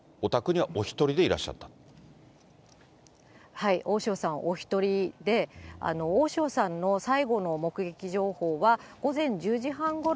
はい、大塩さんお１人で、大塩さんの最後の目撃情報は、午前１０時半ごろ、